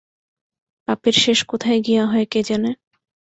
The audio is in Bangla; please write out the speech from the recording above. পাপের শেষ কোথায় গিয়া হয় কে জানে!